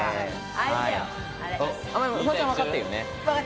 フワちゃん、わかったよね？